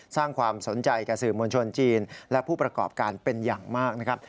สร้างความสนใจแก่สื่อมวลชนจีนและผู้ประกอบการเป็นอย่างมากนะครับ